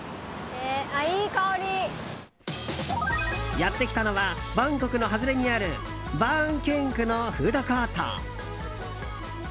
やってきたのはバンコクの外れにあるバーンケーン区のフードコート。